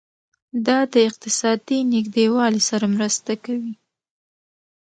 دا د اقتصادي نږدیوالي سره مرسته کوي.